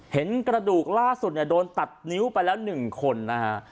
เห็นกระดูกล่าสุดเนี่ยโดนตัดนิ้วไปแล้ว๑คนนะฮะ